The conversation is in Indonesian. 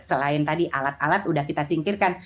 selain tadi alat alat sudah kita singkirkan